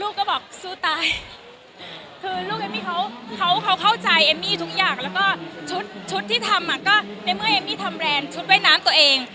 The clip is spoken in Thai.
ก็บอกสู้ตายคือลูกเอมมี่เขาเขาเข้าใจเอมมี่ทุกอย่างแล้วก็ชุดชุดที่ทำอ่ะก็ในเมื่อเอมมี่ทำแรนด์ชุดว่ายน้ำตัวเอง